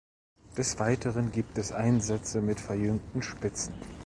Des Weiteren gibt es Einsätze mit verjüngten Spitzen.